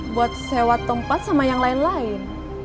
buat sewa tempat sama yang lain lain